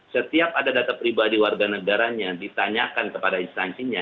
setiap ada data pribadi warga negaranya ditanyakan kepada instansinya